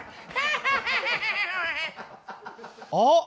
あっ。